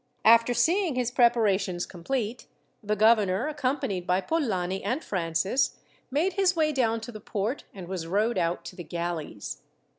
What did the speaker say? After seeing his preparations complete the governor, accompanied by Polani and Francis, made his way down to the port, and was rowed out to the galleys.